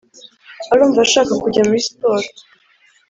arumva ashaka kujya muri sport